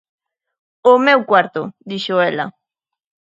_O meu cuarto _dixo ela_.